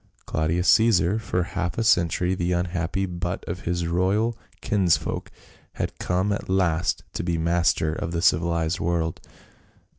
Claudius Caesar, for half a century the unhappy butt of his royal kinsfolk, had come at last to be master of the civilized world.